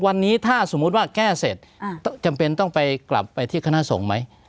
วันนี้ถ้าสมมุติว่าแก้เสร็จจำเป็นต้องไปกลับไปที่คณะสงฆ์ไหม